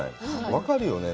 分かるよね。